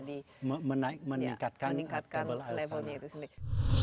ini bisa meningkatkan levelnya itu sendiri